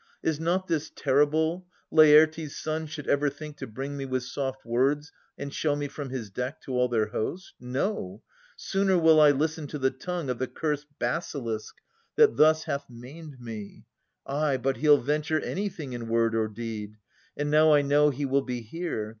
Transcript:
Is not this terrible, Lafirtes' son Should ever think to bring me with soft words And show me from his deck to all their host ? No ! Sooner will I listen to the tongue Of the curs'd basilisk that thus hath maim'd me. Ay, but he'll venture anything in word' Or deed. And now I know he will be here.